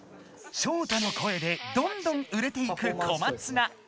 ショウタの声でどんどん売れていく小松菜。